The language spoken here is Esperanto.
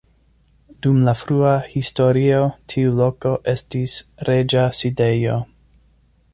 Dum la frua historio tiu loko estis reĝa sidejo.